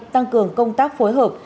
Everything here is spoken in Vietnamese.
tăng cường công tác phối hợp